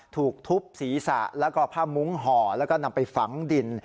ถูกทุบศีรษะแล้วก็ผ้ามุ้งห่อแล้วก็นำไปฝังดิน